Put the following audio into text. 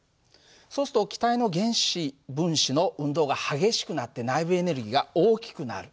そうすると気体の原子分子の運動が激しくなって内部エネルギーが大きくなる。